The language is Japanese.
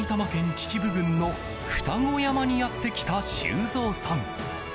秩父郡の二子山にやってきた修造さん。